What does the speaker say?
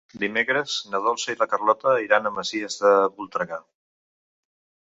Dimecres na Dolça i na Carlota iran a les Masies de Voltregà.